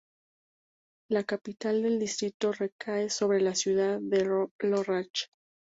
La capital del distrito recae sobre la ciudad de Lörrach.